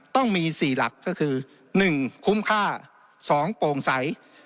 ต้องมี๔หลักก็คือ๑คุ้มค่า๒โปร่งใส